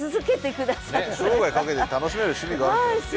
生涯かけて楽しめる趣味があるってすてきですよ。